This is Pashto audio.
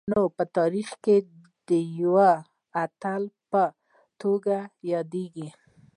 نو په تاریخ کي د یوه اتل په توګه یادیږي